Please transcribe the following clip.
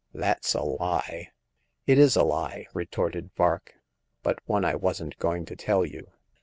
That's a lie !"" It is a lie," retorted Vark, "but one I wasn't going to tell you.